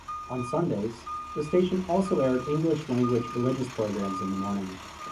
On Sundays, the station also aired English-language religious programs in the morning.